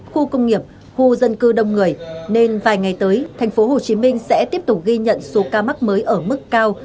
khu công nghiệp khu dân cư đông người nên vài ngày tới tp hcm sẽ tiếp tục ghi nhận số ca mắc mới ở mức cao